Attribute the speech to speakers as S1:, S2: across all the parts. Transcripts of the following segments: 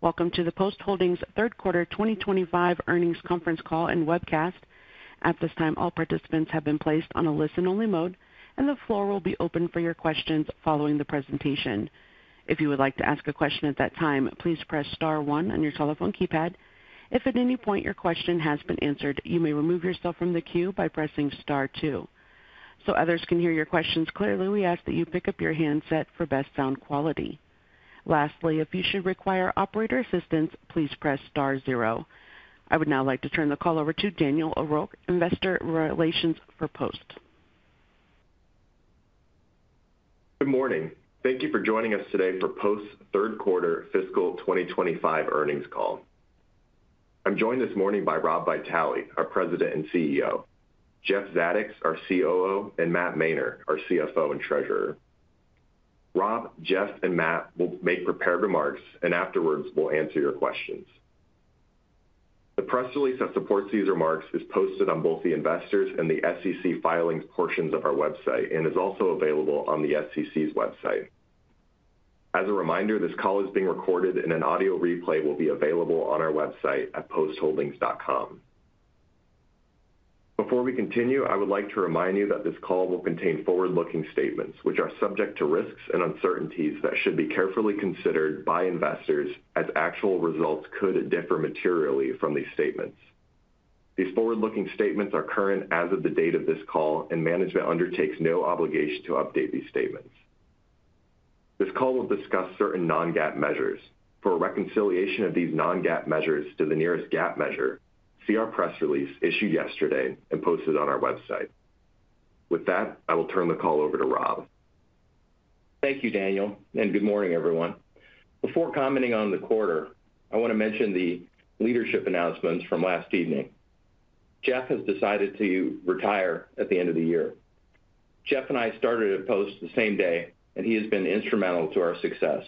S1: Welcome to the Post Holdings Third Quarter 2025 Earnings Conference Call and Webcast. At this time, all participants have been placed on a listen-only mode, and the floor will be open for your questions following the presentation. If you would like to ask a question at that time, please press star one on your telephone keypad. If at any point your question has been answered, you may remove yourself from the queue by pressing star two. To ensure others can hear your questions clearly, we ask that you pick up your handset for best sound quality. Lastly, if you should require operator assistance, please press star zero. I would now like to turn the call over to Daniel O'Rourke, Investor Relations for Post Holdings.
S2: Good morning. Thank you for joining us today for Post's Third Quarter Fiscal 2025 Earnings Call. I'm joined this morning by Rob Vitale, our President and CEO, Jeff Zadoks, our COO, and Matt Mainer, our CFO and Treasurer. Rob, Jeff, and Matt will make prepared remarks, and afterwards we'll answer your questions. The press release that supports these remarks is posted on both the Investors and the SEC Filings portions of our website, and is also available on the SEC's website. As a reminder, this call is being recorded, and an audio replay will be available on our website at postholdings.com. Before we continue, I would like to remind you that this call will contain forward-looking statements, which are subject to risks and uncertainties that should be carefully considered by investors, as actual results could differ materially from these statements. These forward-looking statements are current as of the date of this call, and management undertakes no obligation to update these statements. This call will discuss certain non-GAAP measures. For a reconciliation of these non-GAAP measures to the nearest GAAP measure, see our press release issued yesterday and posted on our website. With that, I will turn the call over to Rob.
S3: Thank you, Daniel, and good morning, everyone. Before commenting on the quarter, I want to mention the leadership announcements from last evening. Jeff has decided to retire at the end of the year. Jeff and I started at Post the same day, and he has been instrumental to our success.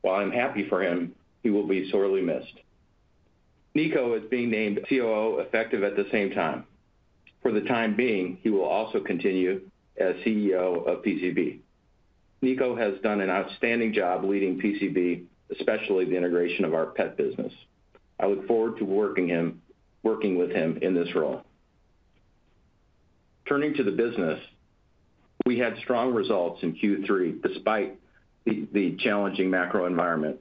S3: While I'm happy for him, he will be sorely missed. Nico is being named COO effective at the same time. For the time being, he will also continue as CEO of PCB. Nico has done an outstanding job leading PCB, especially the integration of our pet business. I look forward to working with him in this role. Turning to the business, we had strong results in Q3 despite the challenging macro environment,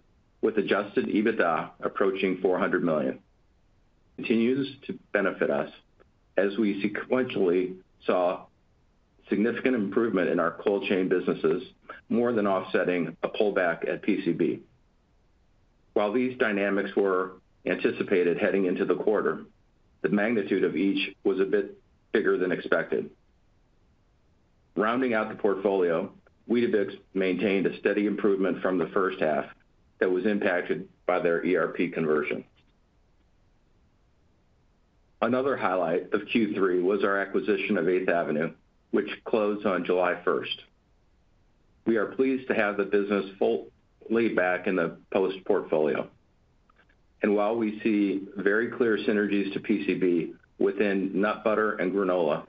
S3: with adjusted EBITDA approaching $400 million. It continues to benefit us as we sequentially saw significant improvement in our cold chain businesses, more than offsetting a pullback at PCB. While these dynamics were anticipated heading into the quarter, the magnitude of each was a bit bigger than expected. Rounding out the portfolio, Weetabix maintained a steady improvement from the first half that was impacted by their ERP conversion. Another highlight of Q3 was our acquisition of 8th Avenue, which closed on July 1. We are pleased to have the business fully back in the Post portfolio. While we see very clear synergies to PCB within nut butter and granola,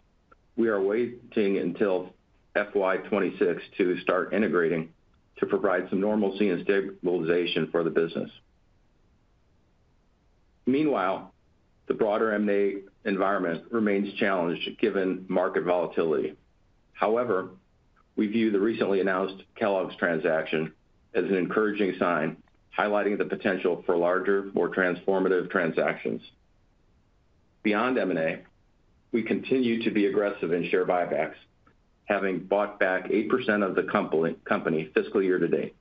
S3: we are waiting until FY 2026 to start integrating to provide some normalcy and stabilization for the business. Meanwhile, the broader M&A environment remains challenged given market volatility. However, we view the recently announced Kellogg's transaction as an encouraging sign, highlighting the potential for larger, more transformative transactions. Beyond M&A, we continue to be aggressive in share buybacks, having bought back 8% of the company fiscal year to date.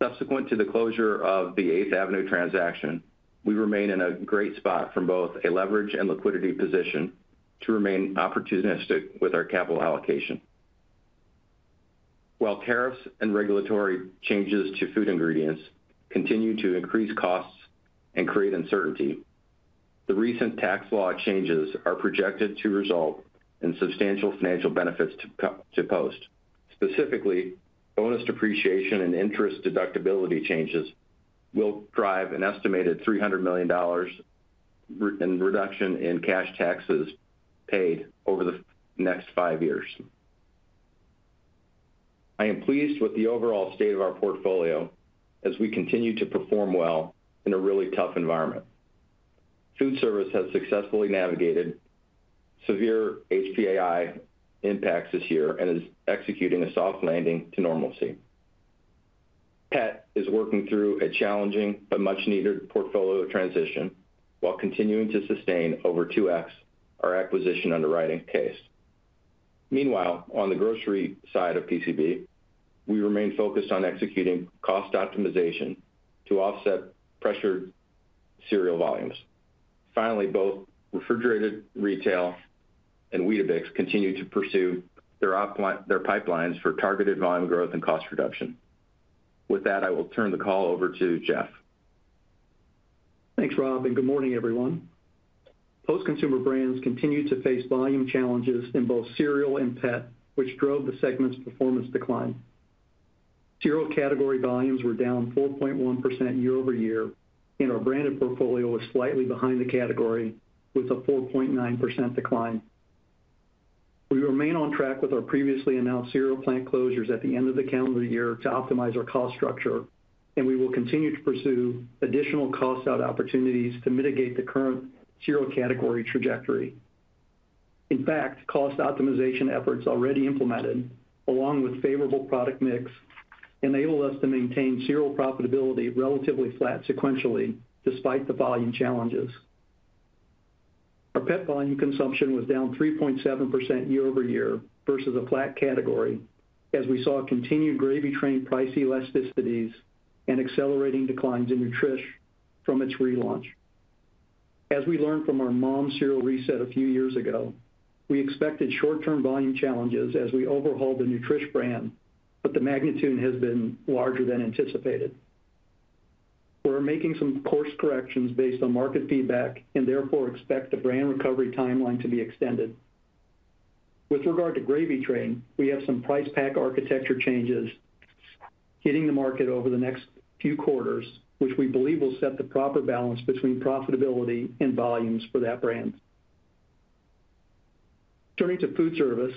S3: Subsequent to the closure of the 8th Avenue transaction, we remain in a great spot from both a leverage and liquidity position to remain opportunistic with our capital allocation. While tariffs and regulatory changes to food ingredients continue to increase costs and create uncertainty, the recent tax law changes are projected to result in substantial financial benefits to Post. Specifically, bonus depreciation and interest deductibility changes will drive an estimated $300 million in reduction in cash taxes paid over the next five years. I am pleased with the overall state of our portfolio as we continue to perform well in a really tough environment. Foodservice has successfully navigated severe HPAI impacts this year and is executing a soft landing to normalcy. Pet is working through a challenging but much-needed portfolio transition while continuing to sustain over 2x our acquisition underwriting case. Meanwhile, on the grocery side of PCB, we remain focused on executing cost optimization to offset pressured cereal volumes. Finally, both Refrigerated Retail and Weetabix continue to pursue their pipelines for targeted volume growth and cost reduction. With that, I will turn the call over to Jeff.
S4: Thanks, Rob, and good morning, everyone. Post Consumer Brands continue to face volume challenges in both cereal and pet, which drove the segment's performance decline. Cereal category volumes were down 4.1% year-over-year, and our branded portfolio was slightly behind the category with a 4.9% decline. We remain on track with our previously announced cereal plant closures at the end of the calendar year to optimize our cost structure, and we will continue to pursue additional cost out opportunities to mitigate the current cereal category trajectory. In fact, cost optimization efforts already implemented, along with favorable product mix, enable us to maintain cereal profitability relatively flat sequentially despite the volume challenges. Our pet volume consumption was down 3.7% year-over-year versus a flat category, as we saw continued Gravy Train price elasticities and accelerating declines in Nutrish from its relaunch. As we learned from our mom cereal reset a few years ago, we expected short-term volume challenges as we overhauled the Nutrish brand, but the magnitude has been larger than anticipated. We're making some course corrections based on market feedback and therefore expect the brand recovery timeline to be extended. With regard to Gravy Train, we have some price pack architecture changes hitting the market over the next few quarters, which we believe will set the proper balance between profitability and volumes for that brand. Turning to foodservice,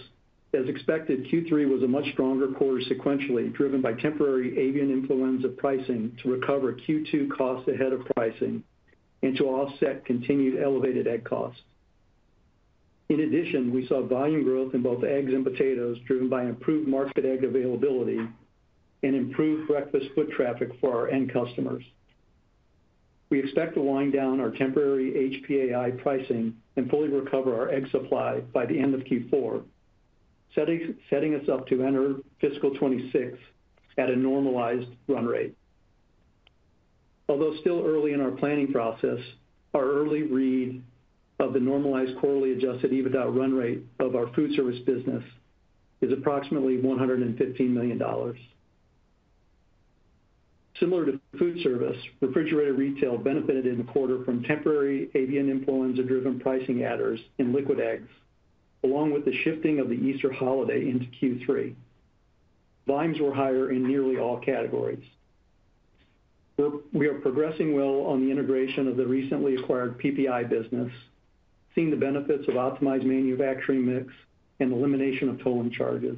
S4: as expected, Q3 was a much stronger quarter sequentially, driven by temporary avian influenza pricing to recover Q2 costs ahead of pricing and to offset continued elevated egg costs. In addition, we saw volume growth in both eggs and potatoes, driven by improved market egg availability and improved breakfast foot traffic for our end customers. We expect to wind down our temporary HPAI pricing and fully recover our egg supply by the end of Q4, setting us up to enter fiscal 2026 at a normalized run rate. Although still early in our planning process, our early read of the normalized quarterly adjusted EBITDA run rate of our foodservice business is approximately $115 million. Similar to foodservice, Refrigerated Retail benefited in the quarter from temporary avian influenza-driven pricing adders in liquid eggs, along with the shifting of the Easter holiday into Q3. Volumes were higher in nearly all categories. We are progressing well on the integration of the recently acquired PPI business, seeing the benefits of optimized manufacturing mix and elimination of tolling charges.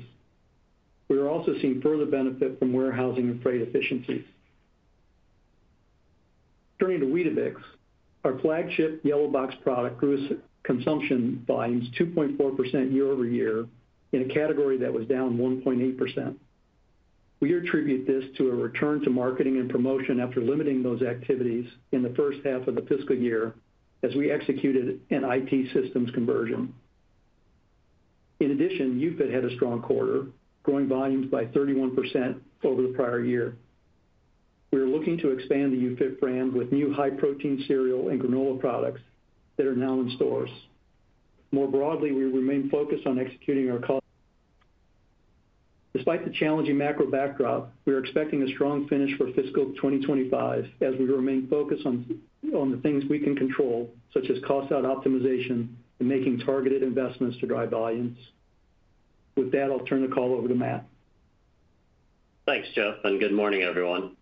S4: We are also seeing further benefit from warehousing and freight efficiencies. Turning to Weetabix, our flagship yellow box product grew consumption volumes 2.4% year-over-year in a category that was down 1.8%. We attribute this to a return to marketing and promotion after limiting those activities in the first half of the fiscal year as we executed an IT systems conversion. In addition, UFIT had a strong quarter, growing volumes by 31% over the prior year. We are looking to expand the UFIT brand with new high-protein cereal and granola products that are now in stores. More broadly, we remain focused on executing our cost. Despite the challenging macro backdrop, we are expecting a strong finish for fiscal 2025 as we remain focused on the things we can control, such as cost out optimization and making targeted investments to drive volumes. With that, I'll turn the call over to Matt.
S5: Thanks, Jeff, and good morning, everyone.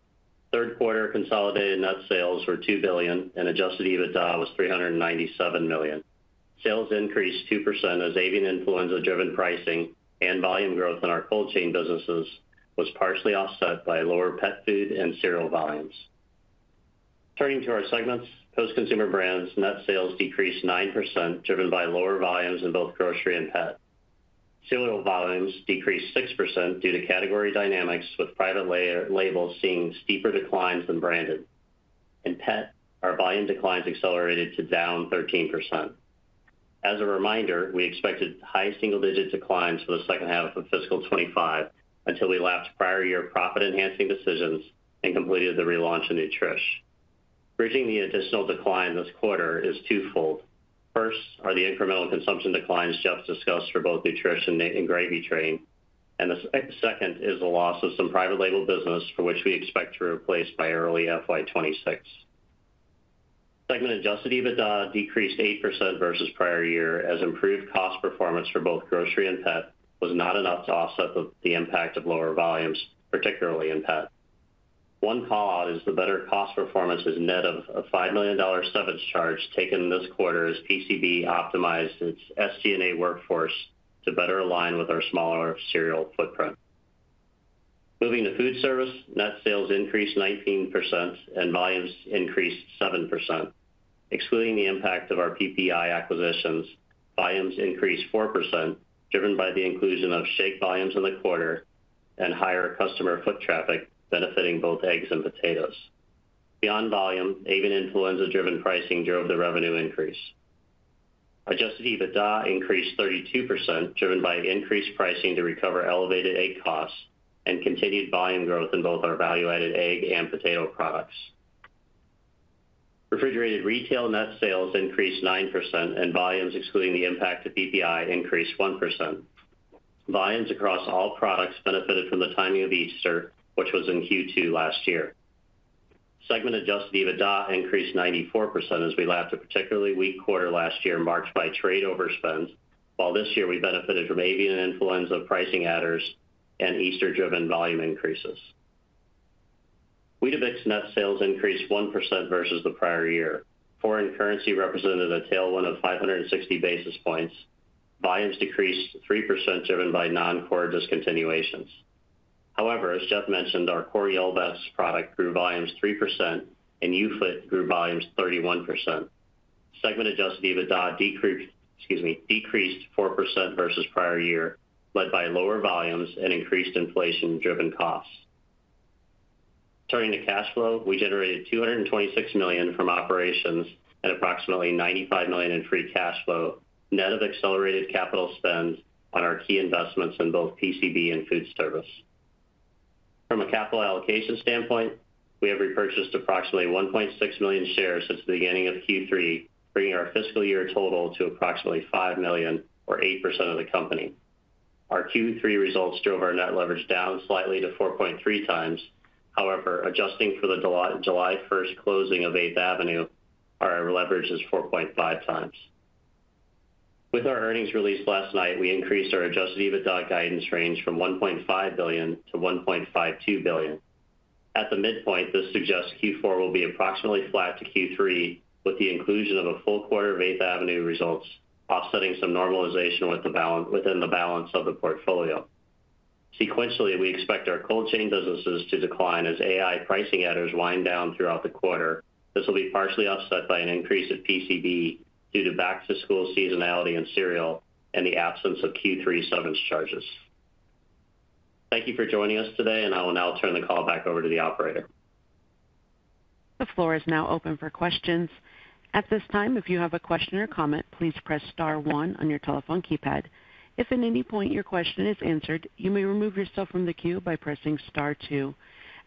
S5: Third quarter consolidated net sales were $2 billion and adjusted EBITDA was $397 million. Sales increased 2% as avian influenza-driven pricing and volume growth in our cold chain businesses was partially offset by lower pet food and cereal volumes. Turning to our segments, Post Consumer Brands net sales decreased 9%, driven by lower volumes in both grocery and pet. Cereal volumes decreased 6% due to category dynamics with private labels seeing deeper declines than branded. In pet, our volume declines accelerated to down 13%. As a reminder, we expected high single-digit declines for the second half of fiscal 2025 until we lapped prior year profit-enhancing decisions and completed the relaunch in Nutrish. Bridging the additional decline this quarter is twofold. First are the incremental consumption declines Jeff discussed for both Nutrish and Gravy Train, and the second is the loss of some private label business for which we expect to replace by early fiscal 2026. Segment adjusted EBITDA decreased 8% versus prior year as improved cost performance for both grocery and pet was not enough to offset the impact of lower volumes, particularly in pet. One callout is the better cost performance is net of a $5 million severance charge taken this quarter as PCB optimized its STNA workforce to better align with our smaller cereal footprint. Moving to foodservice, net sales increased 19% and volumes increased 7%. Excluding the impact of our PPI acquisitions, volumes increased 4%, driven by the inclusion of shake volumes in the quarter and higher customer foot traffic benefiting both eggs and potatoes. Beyond volume, avian influenza-driven pricing drove the revenue increase. Adjusted EBITDA increased 32%, driven by increased pricing to recover elevated egg costs and continued volume growth in both our value-added egg and potato products. Refrigerated Retail net sales increased 9% and volumes, excluding the impact of PPI, increased 1%. Volumes across all products benefited from the timing of Easter, which was in Q2 last year. Segment adjusted EBITDA increased 94% as we lapped a particularly weak quarter last year, marked by trade overspends, while this year we benefited from avian influenza pricing adders and Easter-driven volume increases. Weetabix net sales increased 1% versus the prior year. Foreign currency represented a tailwind of 560 basis points. Volumes decreased 3%, driven by non-core discontinuations. However, as Jeff mentioned, our core Weetabix product grew volumes 3% and UFIT grew volumes 31%. Segment adjusted EBITDA decreased 4% versus prior year, led by lower volumes and increased inflation-driven costs. Turning to cash flow, we generated $226 million from operations and approximately $95 million in free cash flow, net of accelerated capital spend on our key investments in both PCB and foodservice. From a capital allocation standpoint, we have repurchased approximately 1.6 million shares since the beginning of Q3, bringing our fiscal year total to approximately 5 million, or 8% of the company. Our Q3 results drove our net leverage down slightly to 4.3x. However, adjusting for the July 1 closing of 8th Avenue, our leverage is 4.5x. With our earnings released last night, we increased our adjusted EBITDA guidance range from $1.5 billion-$1.52 billion. At the midpoint, this suggests Q4 will be approximately flat to Q3 with the inclusion of a full quarter of 8th Avenue results, offsetting some normalization within the balance of the portfolio. Sequentially, we expect our cold chain businesses to decline as avian influenza pricing adders wind down throughout the quarter. This will be partially offset by an increase at PCB due to back-to-school seasonality in cereal and the absence of Q3 severance charges. Thank you for joining us today, and I will now turn the call back over to the operator.
S1: The floor is now open for questions. At this time, if you have a question or comment, please press star one on your telephone keypad. If at any point your question is answered, you may remove yourself from the queue by pressing star two.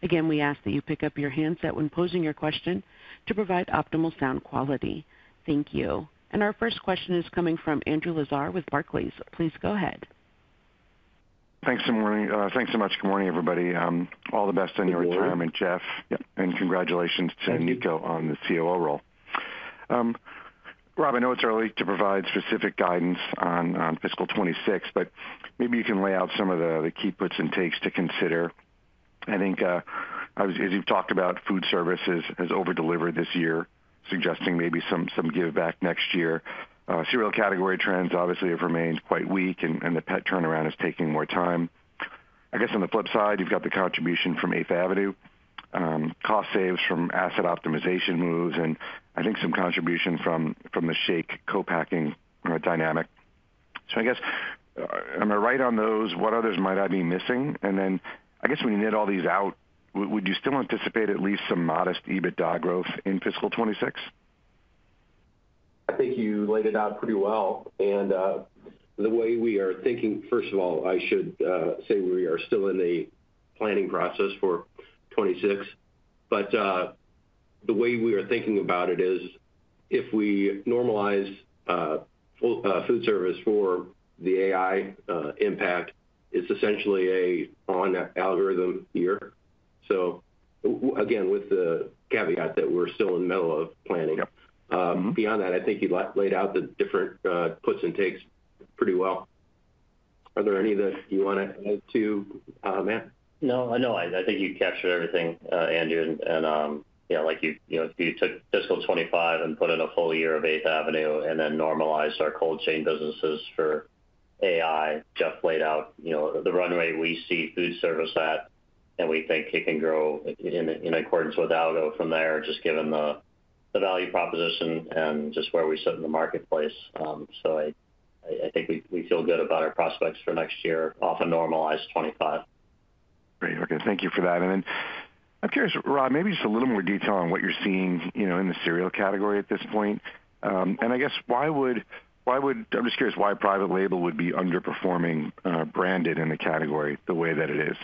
S1: Again, we ask that you pick up your handset when posing your question to provide optimal sound quality. Thank you. Our first question is coming from Andrew Lazar with Barclays. Please go ahead.
S6: Thanks so much. Good morning, everybody. All the best on your time and Jeff, and congratulations to Nico on the COO role. Rob, I know it's early to provide specific guidance on fiscal 2026, but maybe you can lay out some of the key puts and takes to consider. I think, as you've talked about, foodservice has over-delivered this year, suggesting maybe some give-back next year. Cereal category trends obviously have remained quite weak, and the pet turnaround is taking more time. I guess on the flip side, you've got the contribution from 8th Avenue, cost saves from asset optimization moves, and I think some contribution from the shake co-packing dynamic. I guess I'm going to write on those. What others might I be missing? When you net all these out, would you still anticipate at least some modest EBITDA growth in fiscal 2026?
S3: I think you laid it out pretty well. The way we are thinking, first of all, I should say we are still in the planning process for 2026. The way we are thinking about it is if we normalize foodservice for the avian influenza impact, it's essentially an on-algorithm year. Again, with the caveat that we're still in the middle of planning. Beyond that, I think you've laid out the different puts and takes pretty well. Are there any that you want to add to, Matt?
S5: I think you captured everything, Andrew. If you took fiscal 2025 and put in a full year of 8th Avenue and then normalized our cold chain businesses for avian influenza, Jeff laid out the run rate we see foodservice at, and we think it can grow in accordance with Aldo from there, just given the value proposition and just where we sit in the marketplace. I think we feel good about our prospects for next year, off a normalized 2025.
S6: Great. Okay, thank you for that. I'm curious, Rob, maybe just a little more detail on what you're seeing in the cereal category at this point. I guess why would, I'm just curious why private label would be underperforming branded in the category the way that it is.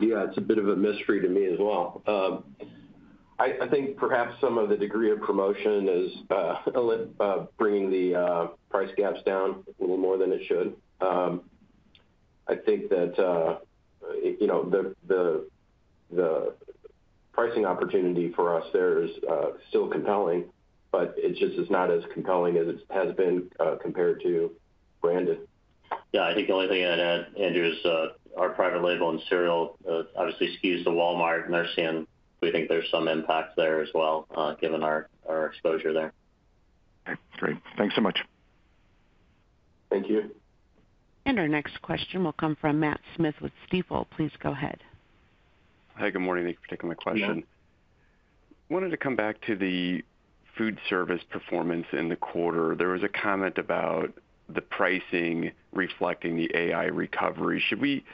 S3: Yeah, it's a bit of a mystery to me as well. I think perhaps some of the degree of promotion is bringing the price gaps down a little more than it should. I think that the pricing opportunity for us there is still compelling, but it just is not as compelling as it has been compared to branded.
S5: Yeah, I think the only thing I'd add, Andrew, is our private label and cereal obviously skews to Walmart and NRC, and we think there's some impact there as well, given our exposure there.
S6: Great. Thanks so much.
S3: Thank you.
S1: Our next question will come from Matt Smith with Stifel. Please go ahead.
S7: Hi, good morning. Thank you for taking my question. I wanted to come back to the foodservice performance in the quarter. There was a comment about the pricing reflecting the avian influenza recovery. Should we,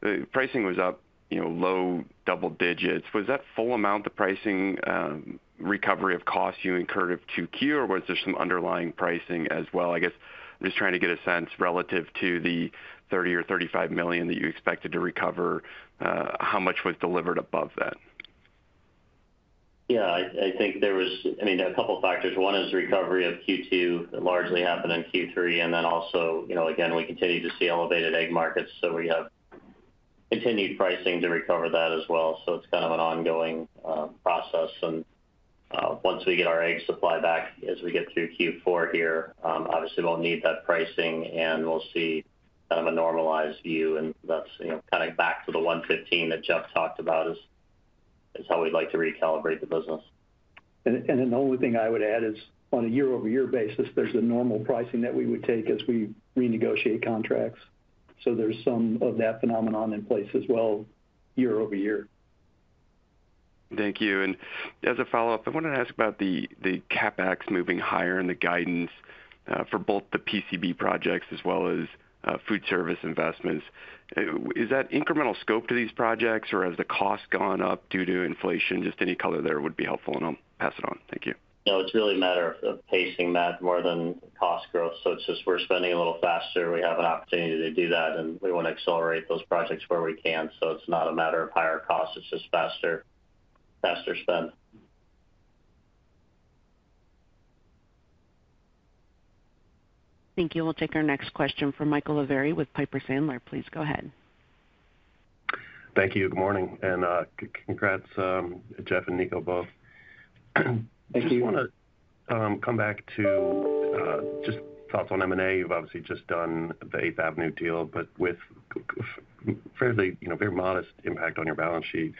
S7: the pricing was up, you know, low double digits. Was that full amount of the pricing recovery of costs you incurred of Q2, or was there some underlying pricing as well? I guess I'm just trying to get a sense relative to the $30 million or $35 million that you expected to recover. How much was delivered above that?
S5: Yeah, I think there was a couple of factors. One is recovery of Q2 largely happened in Q3, and then also, you know, we continue to see elevated egg markets, so we have continued pricing to recover that as well. It is kind of an ongoing process. Once we get our egg supply back as we get through Q4 here, obviously we'll need that pricing and we'll see kind of a normalized view. That's, you know, kind of back to the 115 that Jeff talked about is how we'd like to recalibrate the business.
S4: The only thing I would add is on a year-over-year basis, there's a normal pricing that we would take as we renegotiate contracts. There's some of that phenomenon in place as well, year-over-year.
S7: Thank you. As a follow-up, I wanted to ask about the CapEx moving higher in the guidance for both the PCB projects as well as foodservice investments. Is that incremental scope to these projects, or has the cost gone up due to inflation? Any color there would be helpful, and I'll pass it on. Thank you.
S5: No, it's really a matter of pacing that more than cost growth. It's just we're spending a little faster. We have an opportunity to do that, and we want to accelerate those projects where we can. It's not a matter of higher cost. It's just faster spend.
S1: Thank you. We'll take our next question from Michael Lavery with Piper Sandler. Please go ahead.
S8: Thank you. Good morning. Congrats, Jeff and Nico both.
S4: Thank you.
S8: I just want to come back to just thoughts on M&A. You've obviously just done the 8th Avenue deal, but with fairly modest impact on your balance sheet.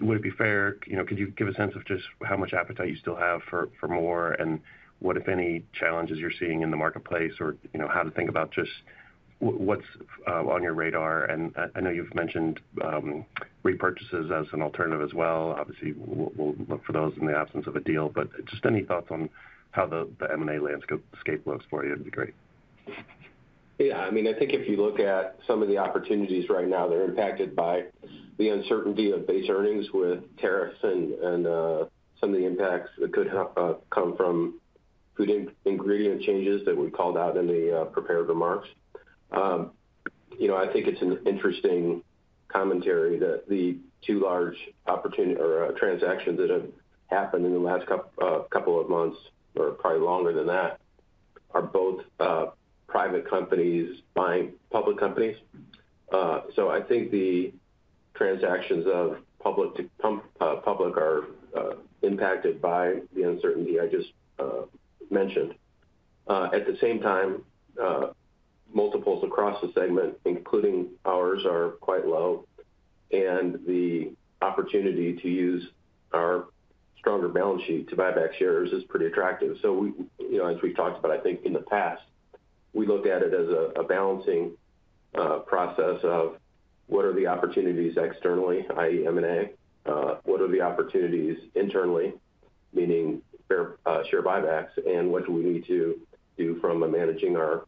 S8: Would it be fair, you know, could you give a sense of just how much appetite you still have for more and what, if any, challenges you're seeing in the marketplace or, you know, how to think about just what's on your radar? I know you've mentioned repurchases as an alternative as well. Obviously, we'll look for those in the absence of a deal, but just any thoughts on how the M&A landscape looks for you would be great.
S3: Yeah, I mean, I think if you look at some of the opportunities right now, they're impacted by the uncertainty of base earnings with tariffs and some of the impacts that could come from food ingredient changes that we called out in the prepared remarks. I think it's an interesting commentary that the two large opportunities or transactions that have happened in the last couple of months, or probably longer than that, are both private companies buying public companies. I think the transactions of public to public are impacted by the uncertainty I just mentioned. At the same time, multiples across the segment, including ours, are quite low, and the opportunity to use our stronger balance sheet to buy back shares is pretty attractive. As we've talked about, I think in the past, we look at it as a balancing process of what are the opportunities externally, i.e. M&A, what are the opportunities internally, meaning share buybacks, and what do we need to do from a managing our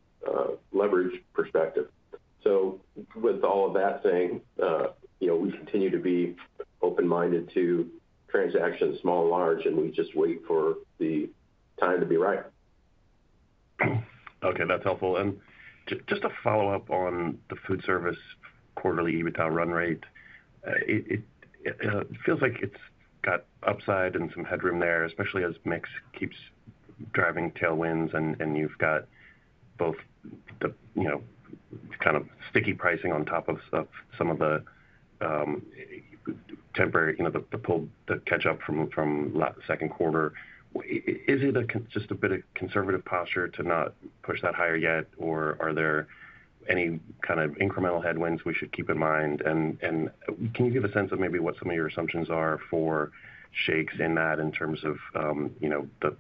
S3: leverage perspective. With all of that saying, we continue to be open-minded to transactions, small and large, and we just wait for the time to be right.
S8: Okay, that's helpful. Just a follow-up on the foodservice quarterly EBITDA run rate. It feels like it's got upside and some headroom there, especially as mix keeps driving tailwinds, and you've got both the kind of sticky pricing on top of some of the temporary pull to catch up from the second quarter. Is it just a bit of a conservative posture to not push that higher yet, or are there any kind of incremental headwinds we should keep in mind? Can you give a sense of maybe what some of your assumptions are for shakes in that in terms of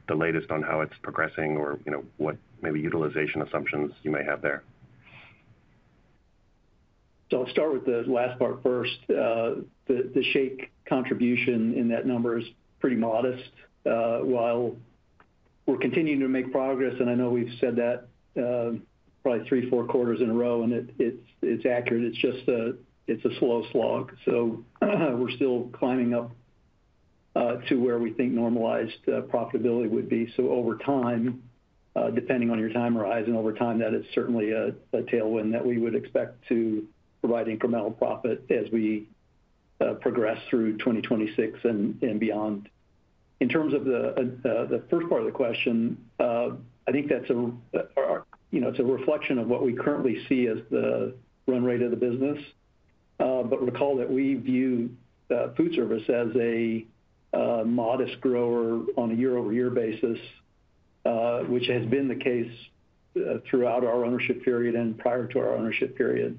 S8: the latest on how it's progressing or what maybe utilization assumptions you may have there?
S4: I'll start with the last part first. The shake contribution in that number is pretty modest, while we're continuing to make progress, and I know we've said that probably three, four quarters in a row, and it's accurate. It's just a slow slog. We're still climbing up to where we think normalized profitability would be. Over time, depending on your time horizon, over time, that is certainly a tailwind that we would expect to provide incremental profit as we progress through 2026 and beyond. In terms of the first part of the question, I think that's a reflection of what we currently see as the run rate of the business. Recall that we view foodservice as a modest grower on a year-over-year basis, which has been the case throughout our ownership period and prior to our ownership period.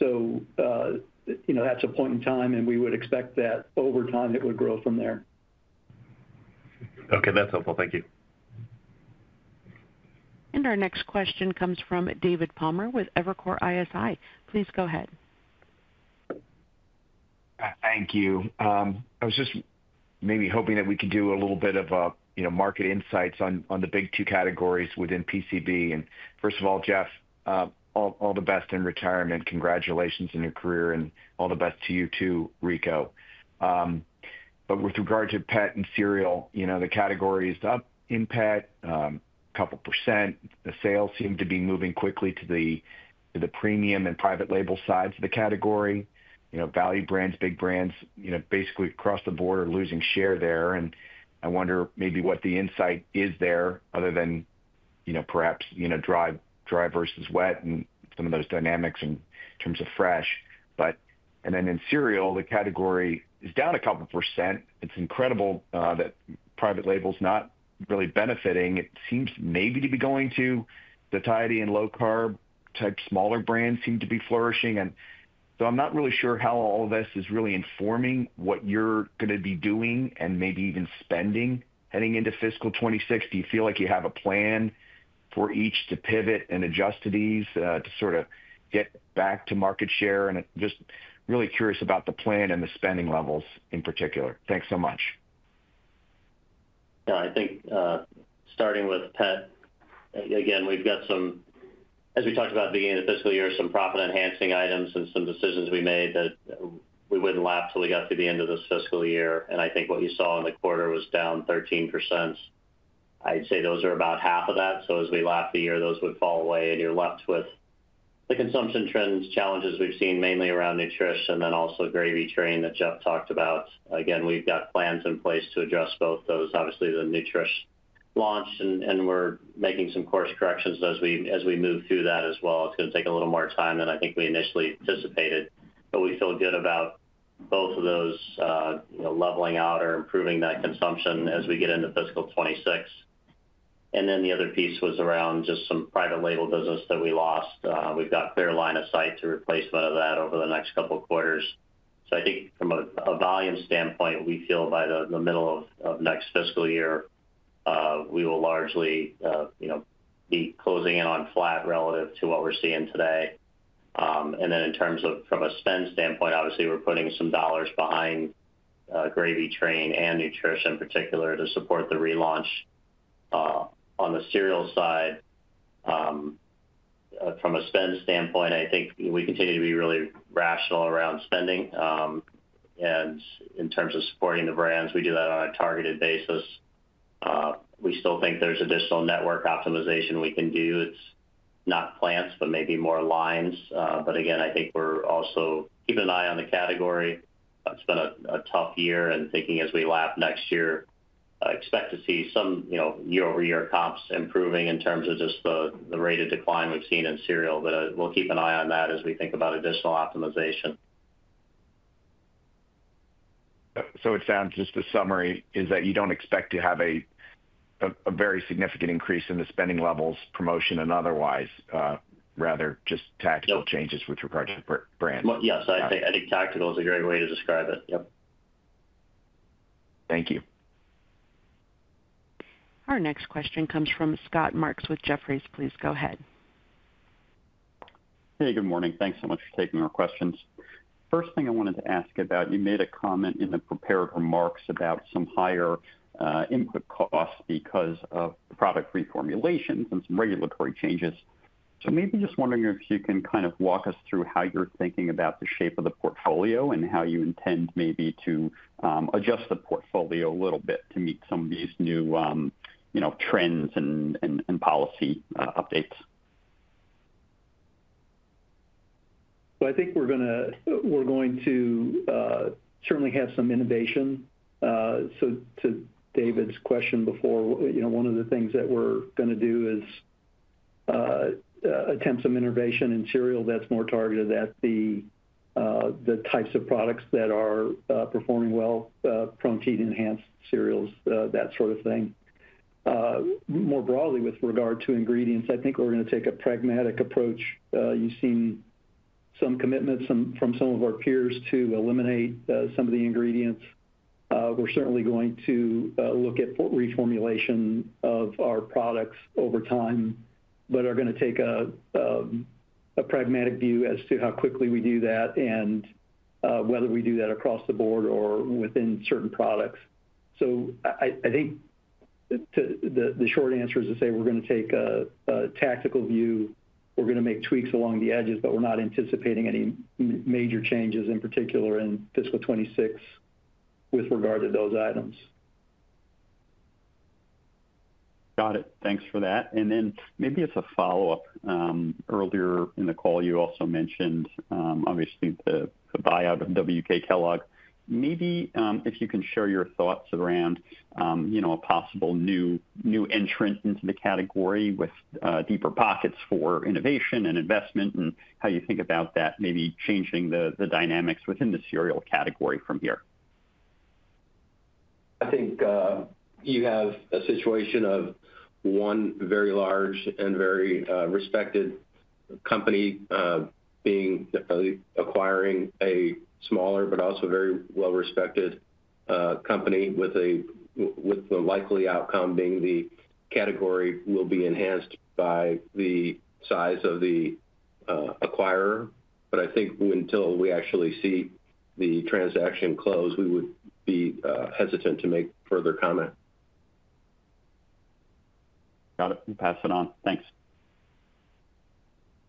S4: That's a point in time, and we would expect that over time it would grow from there.
S8: Okay, that's helpful. Thank you.
S1: Our next question comes from David Palmer with Evercore ISI. Please go ahead.
S9: Thank you. I was just maybe hoping that we could do a little bit of, you know, market insights on the big two categories within PCB. First of all, Jeff, all the best in retirement. Congratulations in your career and all the best to you too, Nico. With regard to pet and cereal, the category is up in pet, a couple percent. The sales seem to be moving quickly to the premium and private label side of the category. Value brands, big brands, basically across the board are losing share there. I wonder what the insight is there other than perhaps dry versus wet and some of those dynamics in terms of fresh. In cereal, the category is down a couple percent. It's incredible that private label is not really benefiting. It seems to be going to the tide and low carb type smaller brands seem to be flourishing. I'm not really sure how all of this is really informing what you're going to be doing and maybe even spending heading into fiscal 2026. Do you feel like you have a plan for each to pivot and adjust to these to sort of get back to market share? I'm just really curious about the plan and the spending levels in particular. Thanks so much.
S5: Yeah, I think starting with pet, again, we've got some, as we talked about at the beginning of the fiscal year, some profit enhancing items and some decisions we made that we wouldn't lap till we got through the end of this fiscal year. I think what you saw in the quarter was down 13%. I'd say those are about half of that. As we lap the year, those would fall away and you're left with the consumption trend challenges we've seen mainly around Nutrish and then also Gravy Train that Jeff talked about. Again, we've got plans in place to address both those. Obviously, the Nutrish launch and we're making some course corrections as we move through that as well. It's going to take a little more time than I think we initially anticipated. We feel good about both of those, you know, leveling out or improving that consumption as we get into fiscal 2026. The other piece was around just some private label business that we lost. We've got a clear line of sight to replace some of that over the next couple of quarters. I think from a volume standpoint, we feel by the middle of next fiscal year, we will largely, you know, be closing in on flat relative to what we're seeing today. In terms of from a spend standpoint, obviously we're putting some dollars behind Gravy Train and Nutrish in particular to support the relaunch on the cereal side. From a spend standpoint, I think we continue to be really rational around spending. In terms of supporting the brands, we do that on a targeted basis. We still think there's additional network optimization we can do. It's not plants, but maybe more lines. I think we're also keeping an eye on the category. It's been a tough year and thinking as we lap next year, I expect to see some, you know, year-over-year comps improving in terms of just the rate of decline we've seen in cereal. We'll keep an eye on that as we think about additional optimization.
S9: It sounds just the summary is that you don't expect to have a very significant increase in the spending levels, promotion, and otherwise, rather just tactical changes with regard to the brands.
S5: Yes, I think tactical is a great way to describe it.
S9: Thank you.
S1: Our next question comes from Scott Marks with Jefferies. Please go ahead.
S10: Hey, good morning. Thanks so much for taking our questions. First thing I wanted to ask about, you made a comment in the prepared remarks about some higher input costs because of the product reformulations and some regulatory changes. Maybe just wondering if you can kind of walk us through how you're thinking about the shape of the portfolio and how you intend maybe to adjust the portfolio a little bit to meet some of these new trends and policy updates.
S4: I think we're going to certainly have some innovation. To David's question before, one of the things that we're going to do is attempt some innovation in cereal that's more targeted at the types of products that are performing well, protein-enhanced cereals, that sort of thing. More broadly, with regard to ingredients, I think we're going to take a pragmatic approach. You've seen some commitments from some of our peers to eliminate some of the ingredients. We're certainly going to look at reformulation of our products over time, but are going to take a pragmatic view as to how quickly we do that and whether we do that across the board or within certain products. I think the short answer is to say we're going to take a tactical view. We're going to make tweaks along the edges, but we're not anticipating any major changes in particular in fiscal 2026 with regard to those items.
S10: Got it. Thanks for that. Earlier in the call, you also mentioned obviously the buyout of WK Kellogg. Maybe if you can share your thoughts around, you know, a possible new entrant into the category with deeper pockets for innovation and investment and how you think about that, maybe changing the dynamics within the cereal category from here.
S3: I think you have a situation of one very large and very respected company acquiring a smaller but also very well-respected company, with the likely outcome being the category will be enhanced by the size of the acquirer. I think until we actually see the transaction close, we would be hesitant to make further comment.
S10: Got it. You pass it on. Thanks.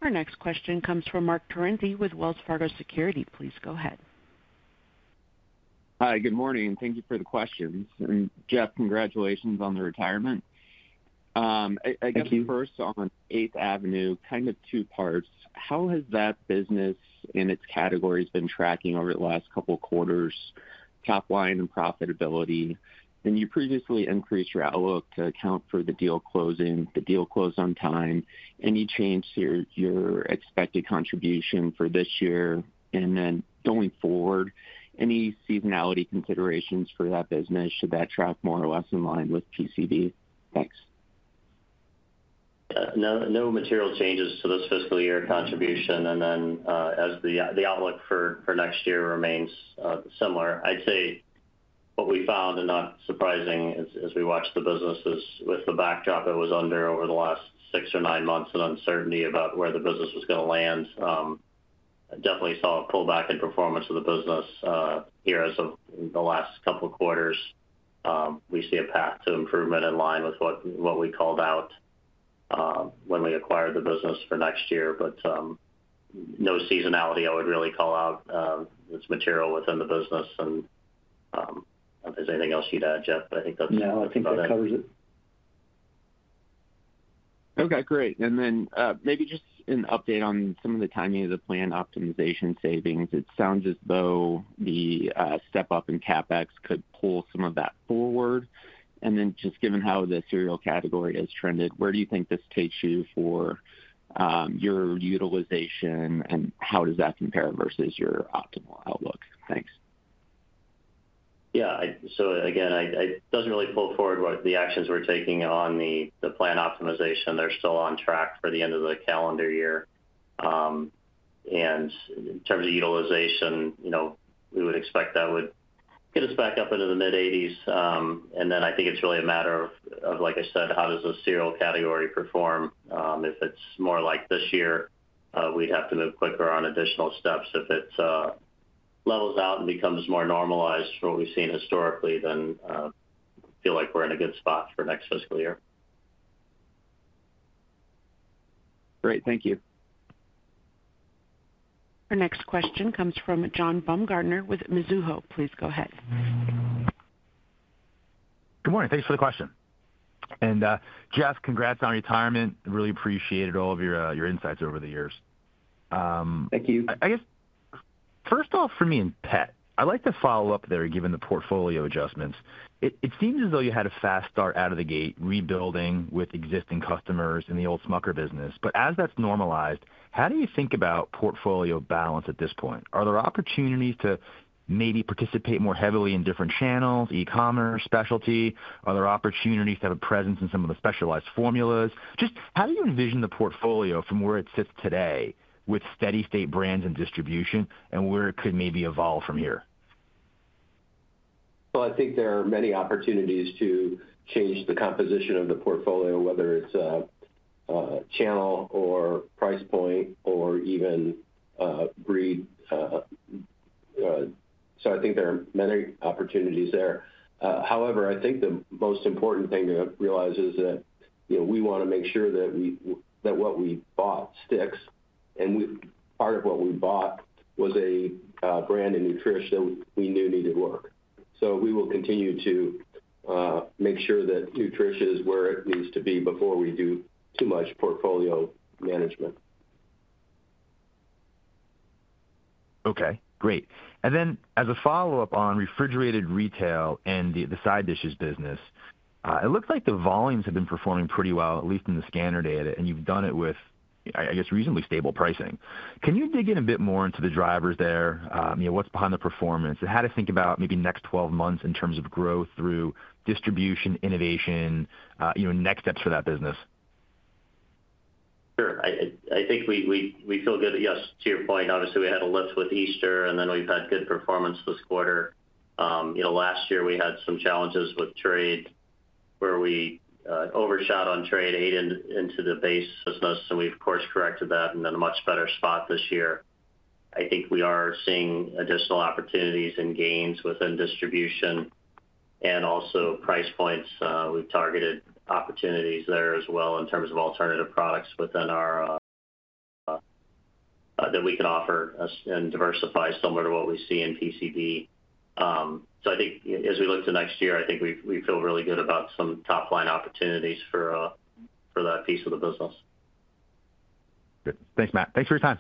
S1: Our next question comes from Marc Torrente with Wells Fargo Securities. Please go ahead.
S11: Hi, good morning. Thank you for the question. Jeff, congratulations on the retirement. First on 8th Avenue, kind of two parts. How has that business and its categories been tracking over the last couple of quarters, top line and profitability? You previously increased your outlook to account for the deal closing. Did the deal close on time? Any change to your expected contribution for this year? Going forward, any seasonality considerations for that business? Should that track more or less in line with PCB? Thanks.
S5: No material changes to this fiscal year contribution. The outlook for next year remains similar. I'd say what we found, and not surprising, as we watched the business with the backdrop it was under over the last six to nine months of uncertainty about where the business was going to land, definitely saw a pullback in performance of the business here as of the last couple of quarters. We see a path to improvement in line with what we called out when we acquired the business for next year. No seasonality I would really call out. It's material within the business. If there's anything else you'd add, Jeff, I think that's about it.
S4: No, I think that covers it.
S11: Okay, great. Maybe just an update on some of the timing of the planned optimization savings. It sounds as though the step-up in CapEx could pull some of that forward. Given how the cereal category has trended, where do you think this takes you for your utilization and how does that compare versus your optimal outlook? Thanks.
S5: Yeah, it doesn't really pull forward what the actions we're taking on the planned optimization. They're still on track for the end of the calendar year. In terms of utilization, we would expect that would get us back up into the mid-80%. I think it's really a matter of, like I said, how does the cereal category perform? If it's more like this year, we'd have to move quicker on additional steps. If it levels out and becomes more normalized from what we've seen historically, then I feel like we're in a good spot for next fiscal year.
S11: Great, thank you.
S1: Our next question comes from John Baumgartner with Mizuho. Please go ahead.
S12: Good morning. Thanks for the question. Jeff, congrats on retirement. Really appreciated all of your insights over the years.
S4: Thank you.
S12: I guess first off, for me in pet, I'd like to follow up there, given the portfolio adjustments. It seems as though you had a fast start out of the gate, rebuilding with existing customers in the old Smucker business. As that's normalized, how do you think about portfolio balance at this point? Are there opportunities to maybe participate more heavily in different channels, e-commerce, specialty? Are there opportunities to have a presence in some of the specialized formulas? Just how do you envision the portfolio from where it sits today with steady-state brands and distribution and where it could maybe evolve from here?
S3: I think there are many opportunities to change the composition of the portfolio, whether it's a channel or price point or even breed. I think there are many opportunities there. However, I think the most important thing to realize is that we want to make sure that what we bought sticks, and part of what we bought was a brand in Nutrish that we knew needed work. We will continue to make sure that Nutrish is where it needs to be before we do too much portfolio management.
S12: Okay, great. As a follow-up on refrigerated retail and the side dishes business, it looks like the volumes have been performing pretty well, at least in the scanner data, and you've done it with, I guess, reasonably stable pricing. Can you dig in a bit more into the drivers there? What's behind the performance and how to think about maybe next 12 months in terms of growth through distribution, innovation, next steps for that business?
S5: Sure. I think we feel good. Yes, to your point, obviously we had a lift with Easter, and then we've had good performance this quarter. Last year we had some challenges with trade where we overshot on trade, ate into the base business, and we've, of course, corrected that and are in a much better spot this year. I think we are seeing additional opportunities and gains within distribution and also price points. We've targeted opportunities there as well in terms of alternative products that we can offer and diversify, similar to what we see in PCB. I think as we look to next year, I think we feel really good about some top line opportunities for that piece of the business.
S12: Thanks, Matt. Thanks for your time.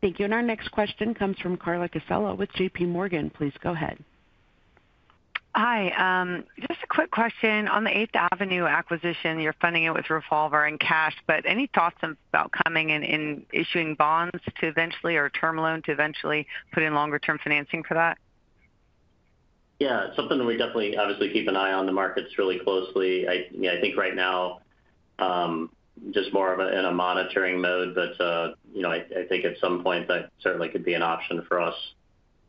S1: Thank you. Our next question comes from Carla Casella with JPMorgan. Please go ahead.
S13: Hi. Just a quick question. On the 8th Avenue acquisition, you're funding it with revolver and cash, but any thoughts about coming and issuing bonds eventually, or a term loan to eventually put in longer-term financing for that?
S5: Yeah, it's something that we definitely keep an eye on, the markets really closely. I think right now just more of it in a monitoring mode, but I think at some point that certainly could be an option for us.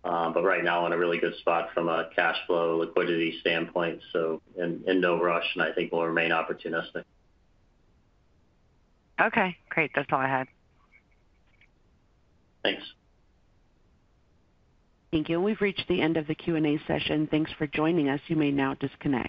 S5: Right now we're in a really good spot from a cash flow liquidity standpoint, so in no rush, and I think we'll remain opportunistic.
S13: Okay, great. That's all I had.
S5: Thanks.
S1: Thank you. We've reached the end of the Q&A session. Thanks for joining us. You may now disconnect.